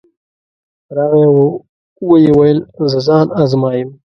راغی او ویې ویل زه ځان ازمایم.